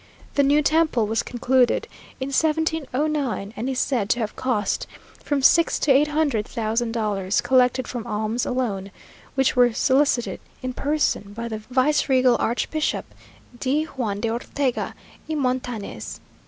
The new temple was concluded in 1709, and is said to have cost from six to eight hundred thousand dollars, collected from alms alone, which were solicited in person by the viceregal archbishop, D. Juan de Ortega y Montanez.